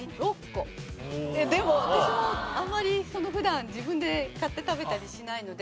でも私もあんまり普段自分で買って食べたりしないので。